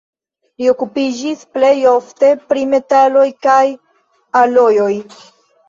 Li okupiĝis plej ofte pri metaloj kaj alojoj.